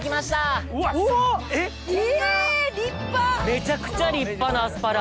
めちゃくちゃ立派なアスパラ。